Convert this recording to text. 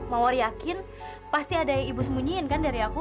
mawar yakin pasti ada yang ibu sembunyiin kan dari aku